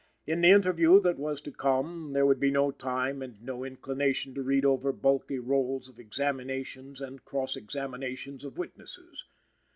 In the interview that was to come, there would be no time and no inclination to read over bulky rolls of examinations and cross examinations of witnesses.